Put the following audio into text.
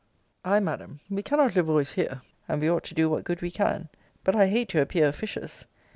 Ay, Madam, we cannot live always here; and we ought to do what good we can but I hate to appear officious.